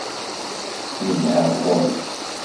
Nedheɣ ɣur-k.